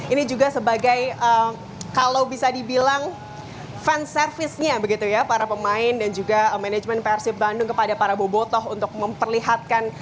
ini juga sebagai kalau bisa dibilang fans service nya begitu ya para pemain dan juga manajemen persib bandung kepada para bobotoh untuk memperlihatkan